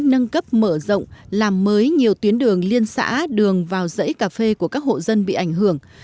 nâng cấp mở rộng làm mới nhiều tuyến đường liên xã đường vào dãy cà phê của các hộ dân bị ảnh hưởng